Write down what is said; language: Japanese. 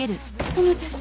お待たせ。